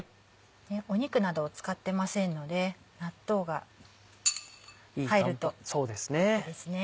肉などを使ってませんので納豆が入るといいですね。